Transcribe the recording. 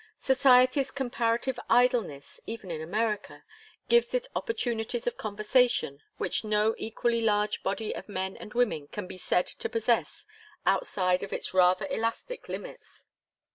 Society's comparative idleness, even in America, gives it opportunities of conversation which no equally large body of men and women can be said to possess outside of its rather elastic limits.